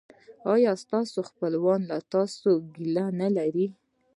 ایا ستاسو خپلوان له تاسو ګیله نلري؟